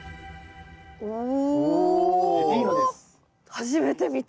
初めて見た。